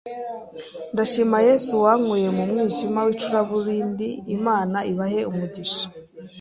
Ndashima yesu wankuye mu mwijima w’icuraburindi Imana ibahe umugisha